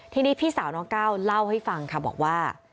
ทีนี้พี่สาวน้องก้าวเล่าให้ฟังค่ะบอกว่า